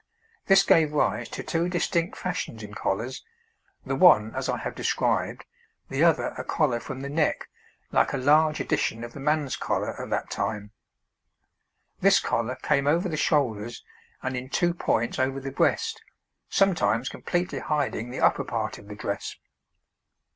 This gave rise to two distinct fashions in collars, the one as I have described, the other a collar from the neck, like a large edition of the man's collar of that time. This collar came over the shoulders and in two points over the breast, sometimes completely hiding the upper part of the dress.